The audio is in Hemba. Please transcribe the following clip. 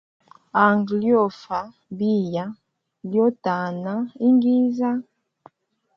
Anga liofa biya, lyotana iginza.